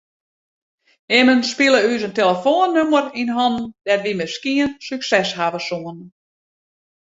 Immen spile ús in telefoannûmer yn hannen dêr't wy miskien sukses hawwe soene.